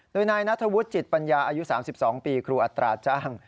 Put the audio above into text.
โดยนายนัทธวุฒิจิตปัญญาอายุ๓๒ปีครูอัตราจ้าง